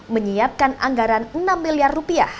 menyiapkan anggaran enam miliar rupiah